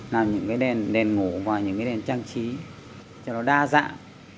làm những đèn ngổ và những đèn trang trí cho nó đa dạng